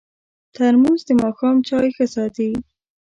ترموز د ماښام چای ښه ساتي.